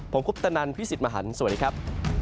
ผมคุปตะนันพี่สิทธิ์มหันฯสวัสดีครับ